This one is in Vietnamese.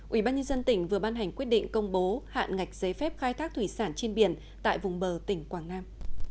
ủy ban nhân dân tỉnh vừa ban hành quyết định công bố hạn ngạch giấy phép khai thác thủy sản trên biển tại vùng bờ tỉnh quảng nam